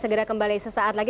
segera kembali sesaat lagi